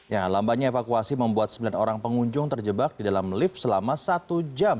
ya lambannya evakuasi membuat sembilan orang pengunjung terjebak di dalam lift selama satu jam